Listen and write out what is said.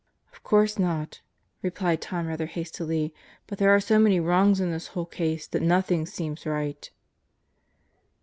"Of course not," replied Tom rather hastily, "but there are so many wrongs in this whole case that nothing seems right."